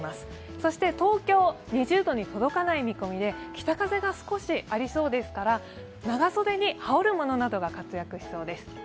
そして東京、２０度に届かない見込みで北風が少しありそうですから、長袖に羽織るものなのが活躍しそうです。